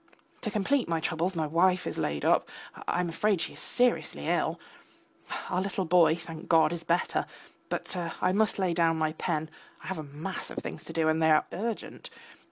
To complete my troubles, my wife is laid up; I am afraid she is seriously ill. Our little boy, thank God, is better; but I must lay down my pen, I have a mass of things to do and they are urgent.